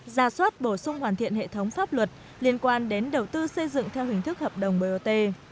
ra soát bổ sung hoàn thiện hệ thống pháp luật liên quan đến đầu tư xây dựng theo hình thức hợp đồng bot